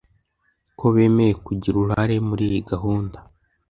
ko bemeye kugira uruhare muri iyi gahunda